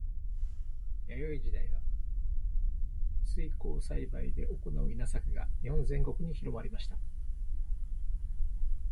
弥生時代は水耕栽培で行う稲作が日本全国に広まりました。